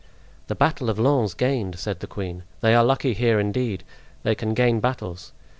"The battle of Lens gained!" said the queen; "they are lucky here indeed; they can gain battles!